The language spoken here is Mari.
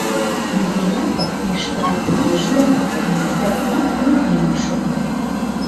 Ондри Япык лишкырак мийыш да кенета акмук лийын шогале.